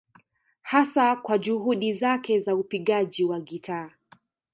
Hasa kwa juhudi zake za upigaji wa gitaa